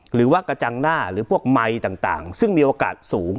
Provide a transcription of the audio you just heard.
หรือว่ากระจังหน้าหรือพวกไมค์ต่างซึ่งมีโอกาสสูง